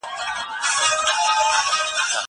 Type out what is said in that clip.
کتابونه لوستل کړه!!